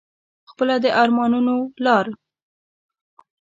خپله د ارمانونو لار